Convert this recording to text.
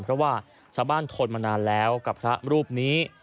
เพราะว่าชาวบ้านทนมานานแล้วกับพระรูปนี้